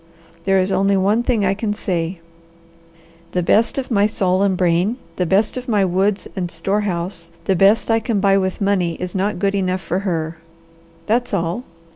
There is only one thing I can say: The best of my soul and brain, the best of my woods and store house, the best I can buy with money is not good enough for her. That's all.